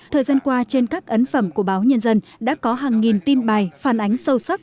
thời gian qua trên các ấn phẩm của báo nhân dân đã có hàng nghìn tin bài phản ánh sâu sắc